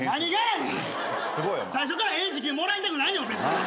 最初からええ時給もらいたくない別に。